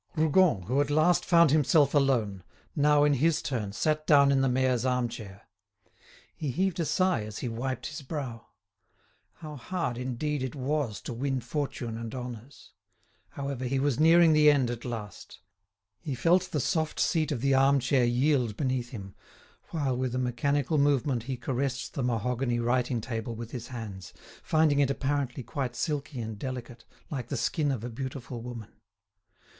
Rougon, who at last found himself alone, now in his turn sat down in the mayor's arm chair. He heaved a sigh as he wiped his brow. How hard, indeed, it was to win fortune and honours! However, he was nearing the end at last. He felt the soft seat of the arm chair yield beneath him, while with a mechanical movement he caressed the mahogany writing table with his hands, finding it apparently quite silky and delicate, like the skin of a beautiful woman.